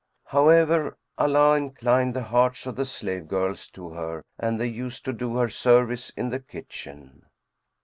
However, Allah inclined the hearts of the slave girls to her and they used to do her service in the kitchen.